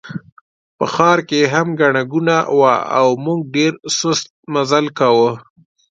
په ښار کې هم ګڼه ګوڼه وه او موږ ډېر سست مزل کاوه.